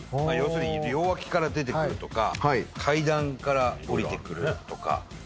要するに両脇から出てくるとか階段から下りてくるとか。